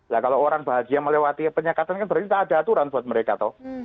nah kalau orang bahagia melewati penyekatan kan berarti tak ada aturan buat mereka toh